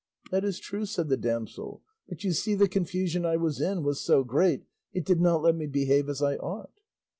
"That is true," said the damsel, "but you see the confusion I was in was so great it did not let me behave as I ought."